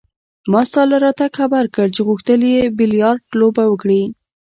ما ستا له راتګه خبر کړ چې غوښتل يې بیلیارډ لوبه وکړي.